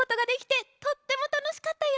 とってもたのしかったよ！